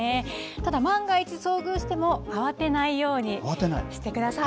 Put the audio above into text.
ただ万が一、遭遇しても慌てないようにしてください。